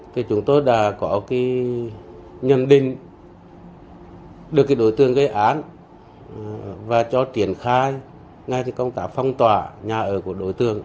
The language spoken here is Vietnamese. thì chúng tôi đã có cái nhận định được cái đối tượng gây án và cho triển khai ngay công tác phong tỏa nhà ở của đối tượng